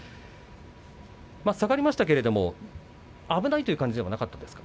下がりましたが危ないという感じではなかったですか。